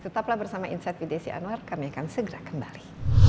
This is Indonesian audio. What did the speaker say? tetaplah bersama insight bdsi anwar kami akan segera kembali